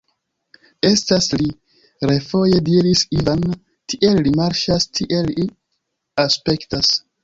Estas li!refoje diris Ivan, tiel li marŝas, tiel li aspektas.